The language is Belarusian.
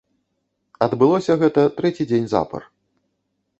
Адбылося гэта трэці дзень запар.